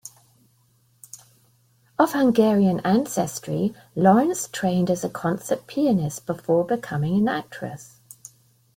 Of Hungarian ancestry, Lawrence trained as a concert pianist before becoming an actress.